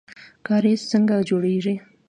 کاریز څنګه جوړیږي؟